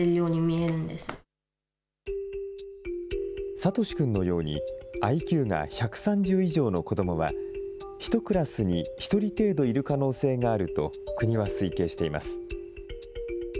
智君のように、ＩＱが１３０以上の子どもは、１クラスに１人程度いる可能性があると国は推計しています。